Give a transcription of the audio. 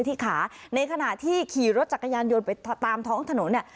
ไว้ที่ขาในขณะที่ขี่รถจังกยานโยนไปตามท้องถนน